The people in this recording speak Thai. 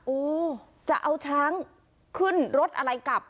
โอ้จะเอาช้างขึ้นรถอะไรกลับ